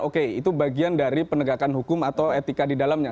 oke itu bagian dari penegakan hukum atau etika di dalamnya